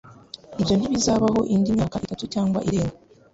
Ibyo ntibizabaho indi myaka itatu cyangwa irenga